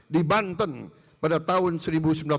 seorang perwira muda yang gugur dalam pertempuran